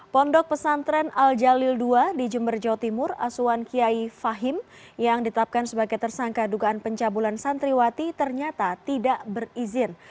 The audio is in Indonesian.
pondok pesantren al jalil ii di jember jawa timur asuhan kiai fahim yang ditetapkan sebagai tersangka dugaan pencabulan santriwati ternyata tidak berizin